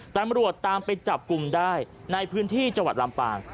ตำรวจตามไปจับกลุ่มได้ในพื้นที่จังหวัดลำปาง